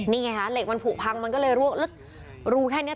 นี่ไงฮะเหล็กมันผูกพังมันก็เลยร่วงแล้วรูแค่นี้